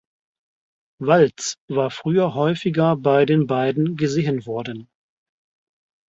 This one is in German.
Waltz war früher häufiger bei den beiden gesehen worden.